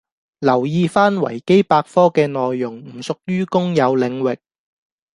留意返維基百科嘅內容唔屬於公有領域